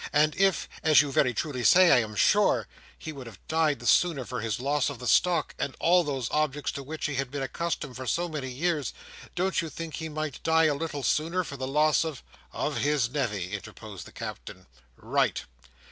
And if (as you very truly said, I am sure) he would have died the sooner for the loss of the stock, and all those objects to which he has been accustomed for so many years, don't you think he might die a little sooner for the loss of—" "Of his Nevy," interposed the Captain. "Right!"